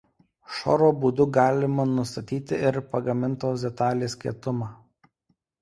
Šoro būdu galima nustatyti ir pagamintos detalės kietumą.